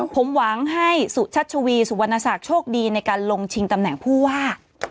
ผมหวังให้สุชัชวีสุวรรณศักดิ์โชคดีในการลงชิงตำแหน่งผู้ว่า